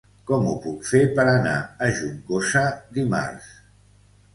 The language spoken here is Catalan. Com ho puc fer per anar a Juncosa dimarts?